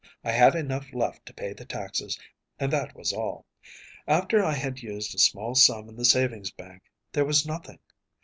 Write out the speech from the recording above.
I had enough left to pay the taxes, and that was all. After I had used a small sum in the savings bank there was nothing.